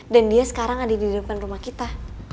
dan dia sekarang ada di depan rumah kita